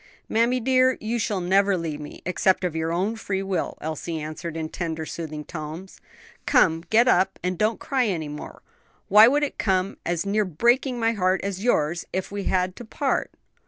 "Mammy dear, you shall never leave me except of your own free will," Elsie answered, in tender soothing tones. "Come, get up, and don't cry any more. Why, it would come as near breaking my heart as yours, if we had to part.